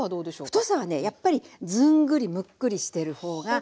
太さはねやっぱりずんぐりむっくりしてるほうがおいしい。